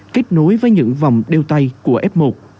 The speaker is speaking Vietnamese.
kết nối với những vòng đeo tay của f một